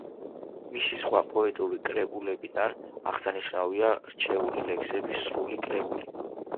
მისი სხვა პოეტური კრებულებიდან აღსანიშნავია „რჩეული ლექსები“, „სრული კრებული“.